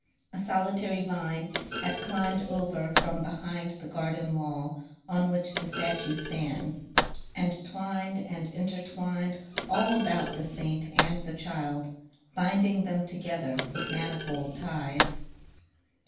A solitary vine had climbed over from behind the garden wall on which the statue stands, and twined and in tertwined all about the Saint and the Child, binding them together with manifold ties.